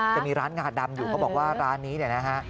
จะมีร้านงาดำอยู่เขาบอกว่าร้านนี้เนี่ยนะฮะ